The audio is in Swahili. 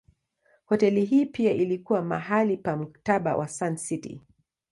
Hoteli hii pia ilikuwa mahali pa Mkataba wa Sun City.